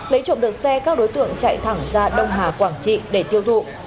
lấy trộm được xe các đối tượng chạy thẳng ra đông hà quảng trị để tiêu thụ